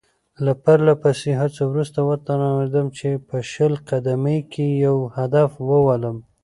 له پرله پسې هڅو وروسته وتوانېدم چې په شل قدمۍ کې یو هدف وولم.